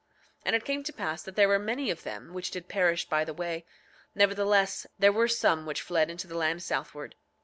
9:32 And it came to pass that there were many of them which did perish by the way; nevertheless, there were some which fled into the land southward.